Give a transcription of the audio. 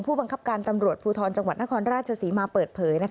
บังคับการตำรวจภูทรจังหวัดนครราชศรีมาเปิดเผย